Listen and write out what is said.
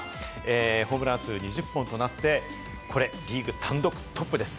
ホームラン数２０本となって、これリーグ単独トップです。